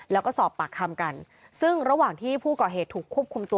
แล้วก็สอบปากคำกันซึ่งระหว่างที่ผู้ก่อเหตุถูกควบคุมตัว